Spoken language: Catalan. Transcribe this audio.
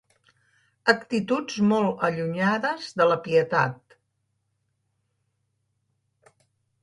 Actituds molt allunyades de la pietat.